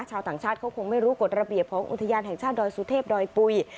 ชาวต่างชาติเขาคงไม่รู้กฎระเบียบของอุทยานแห่งชาติดอยสุเทพดอยปุ๋ย